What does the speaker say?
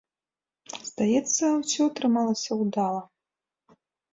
Здаецца, усё атрымалася ўдала.